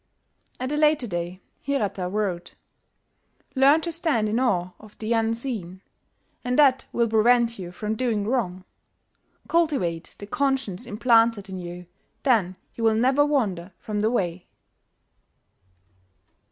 At a later day Hirata wrote "Learn to stand in awe of the Unseen, and that will prevent you from doing wrong. Cultivate the conscience implanted in you then you will never wander from the Way."